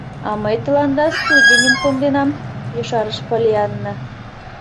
— А мый тыланда студеньым конденам, — ешарыш Поллианна.